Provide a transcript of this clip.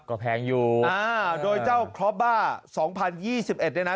ก็แพงอยู่อ่าโดยเจ้าครอบบ้า๒๐๒๑เนี่ยนะ